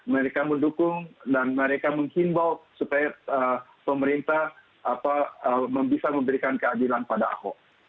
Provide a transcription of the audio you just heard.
mereka mendukung dan mereka menghimbau supaya pemerintah bisa memberikan keadilan pada ahok